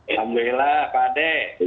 alhamdulillah pak ade